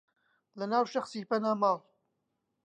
لەناو شەخسی پەنا ماڵ